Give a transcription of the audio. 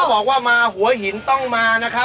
บอกว่ามาหัวหินต้องมานะครับ